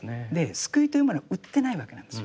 救いというものは売ってないわけなんですよ。